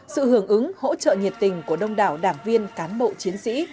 sự hưởng ứng hỗ trợ nhiệt tình của đông đảo đảng viên cán bộ chiến sĩ